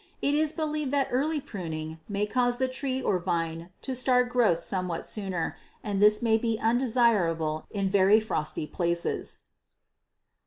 It is believed that early pruning may cause the tree or vine to start growth somewhat sooner and this may be undesirable in very frosty places.